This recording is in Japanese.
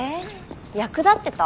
役立ってた？